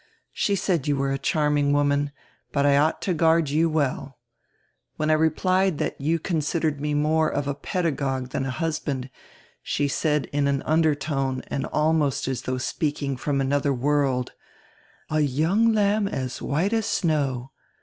She said you were a charming woman, but I ought to guard you well. When I replied diat you considered me more of a pedagogue dian a husband, she said in an undertone and almost as though speaking from another world: 'A young lamb as white as snow!'